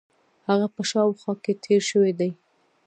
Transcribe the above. هغه په شاوخوا کې تېر شوی دی.